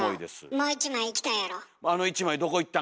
もう１枚いきたいやろ？